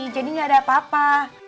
jadi gak ada apa apa